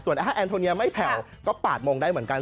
ถ้าแอนโทเนียไม่แผ่วก็๘โมงได้เหมือนกัน